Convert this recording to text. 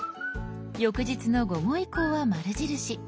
翌日の午後以降は丸印。